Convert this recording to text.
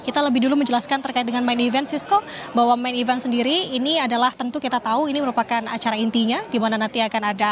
kita lebih dulu menjelaskan terkait dengan main event sisko bahwa main event sendiri ini adalah tentu kita tahu ini merupakan acara intinya di mana nanti akan ada